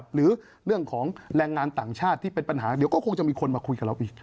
หรือเรื่องของแรงงานต่างชาติที่เป็นปัญหาเดี๋ยวก็คงจะมีคนมาคุยกับเราอีก